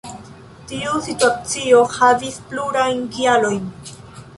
Tiu situacio havis plurajn kialojn.